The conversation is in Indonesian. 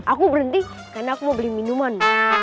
aku berhenti karena aku mau beli minuman